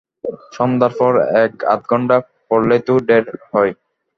সন্ধ্যার পর এক-আধ ঘণ্টা পড়ালেই তো ঢের হয়।